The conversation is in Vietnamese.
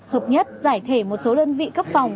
hợp nhất giải thể một số đơn vị cấp phòng